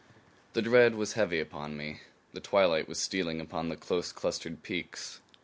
The dread was heavy upon me. The twilight was stealing upon the close clustered peaks.